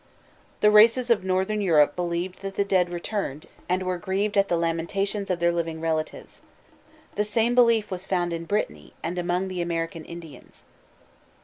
The races of northern Europe believed that the dead returned, and were grieved at the lamentations of their living relatives. The same belief was found in Brittany, and among the American Indians.